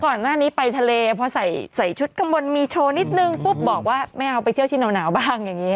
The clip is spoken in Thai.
ก่อนหน้านี้ไปทะเลพอใส่ชุดข้างบนมีโชว์นิดนึงปุ๊บบอกว่าไม่เอาไปเที่ยวที่หนาวบ้างอย่างนี้